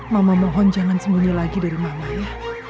mama mohon jangan sembunyi lagi dari mama ya